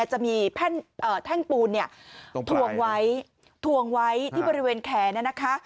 จะมีแท่งปูนทวงไว้ที่บริเวณแขนนั้นนะคะ